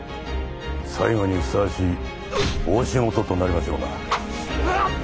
最後にふさわしい大仕事となりましょうな。